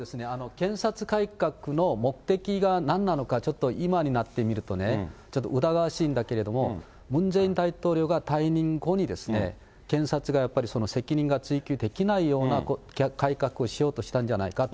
検察改革の目的がなんなのか、ちょっと今になってみるとね、ちょっと疑わしいんだけれども、ムン・ジェイン大統領が退任後に、検察がやっぱり責任が追及できないような改革をしようとしたんじゃないかと。